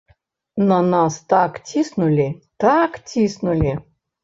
На нас так ціснулі, так ціснулі!